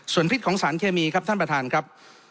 ส่วนพิษของสารเคมีครับท่านประธานครับ